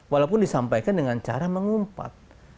walaupun disampaikan dengan cara mengumpat